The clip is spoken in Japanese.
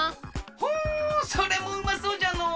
ほうそれもうまそうじゃのう。